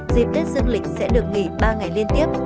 dịp tết dương lịch sẽ được nghỉ ba ngày liên tiếp